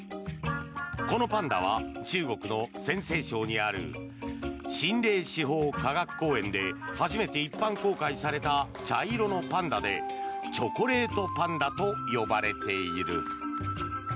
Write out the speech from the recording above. このパンダは中国の陝西省にある秦嶺四宝科学公園で初めて一般公開された茶色のパンダでチョコレートパンダと呼ばれている。